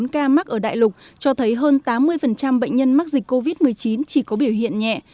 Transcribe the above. bảy mươi hai ba trăm một mươi bốn ca mắc ở đại lục cho thấy hơn tám mươi bệnh nhân mắc dịch covid một mươi chín chỉ có biểu hiện nhẹ